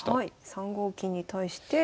３五金に対して。